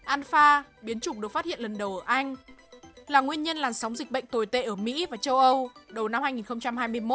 anfa biến chủng được phát hiện lần đầu ở anh là nguyên nhân làn sóng dịch bệnh tồi tệ ở mỹ và châu âu đầu năm hai nghìn hai mươi một